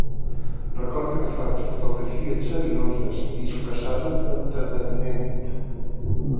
Recorda que faig fotografies serioses disfressades d'entreteniment.